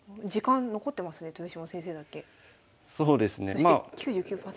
そして９９％。